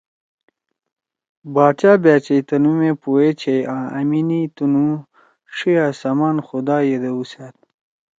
باچا بأچیئی تنُو مے پو ئے چھیئی آں أمیِنی تنُو ڇھیِا سمان خُدا یِدؤسأد۔